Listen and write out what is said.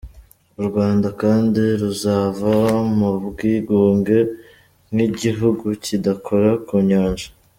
U Rwanda kandi ruzava mu bwigunge nk’igihugu kidakora ku Nyanja.